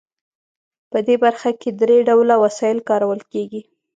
په دې برخه کې درې ډوله وسایل کارول کیږي.